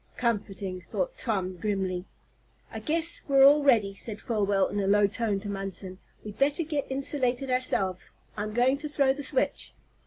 "Comforting," thought Tom, grimly. "I guess we're all ready," said Folwell, in a low tone to Munson. "We'd better get insulated ourselves. I'm going to throw the switch."